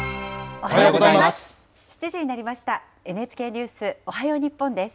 おはようございます。